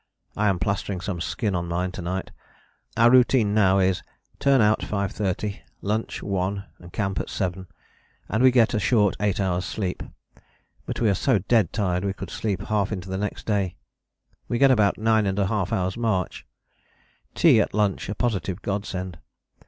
I am plastering some skin on mine to night. Our routine now is: turn out 5.30, lunch 1, and camp at 7, and we get a short 8 hours' sleep, but we are so dead tired we could sleep half into the next day: we get about 9½ hours' march. Tea at lunch a positive godsend.